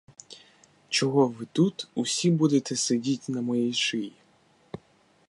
Чого ви тут усі будете сидіть на моїй шиї?